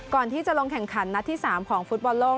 ก่อนที่จะลงแข่งขันนัดที่๓ของฟุตบอลโลก